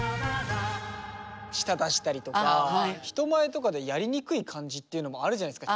舌出したりとか人前とかでやりにくい感じっていうのもあるじゃないですか。